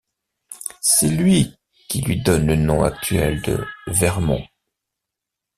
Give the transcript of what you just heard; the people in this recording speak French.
C'est lui qui lui donne le nom actuel de Vert-Mont.